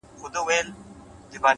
خپل ژوند د ګټورو اغېزو سرچینه وګرځوئ،